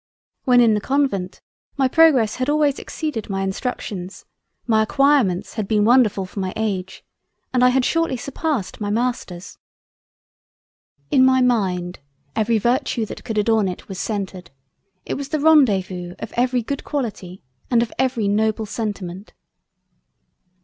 When in the Convent, my progress had always exceeded my instructions, my Acquirements had been wonderfull for my age, and I had shortly surpassed my Masters. In my Mind, every Virtue that could adorn it was centered; it was the Rendez vous of every good Quality and of every noble sentiment.